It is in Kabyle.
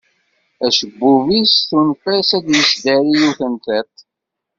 Acebbub-is tunef-as ad as-yesdari yiwet n tiṭ.